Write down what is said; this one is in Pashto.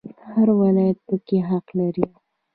هر ولایت پکې حق لري